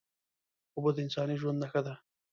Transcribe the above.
اوبه د انساني ژوند نښه ده